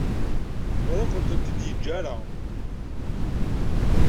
Ur akent-ten-id-yeǧǧa ara.